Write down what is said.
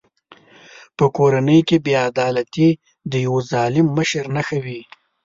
په کورنۍ کې بې عدالتي د یوه ظالم مشر نښه وي.